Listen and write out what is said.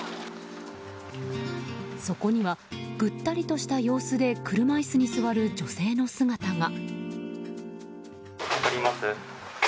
そこには、ぐったりとした様子で車椅子に座る女性の姿が。